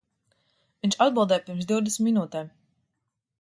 Viņš atbildēja pirms divdesmit minūtēm.